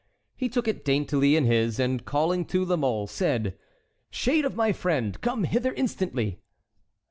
He took it daintily in his, and, calling to La Mole, said: "Shade of my friend, come hither instantly!"